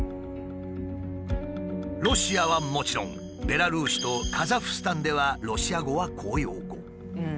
ロシアはもちろんベラルーシとカザフスタンではロシア語は公用語。